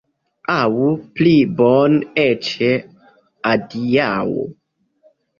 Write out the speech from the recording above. Aŭ, pli bone eĉ, adiaŭ!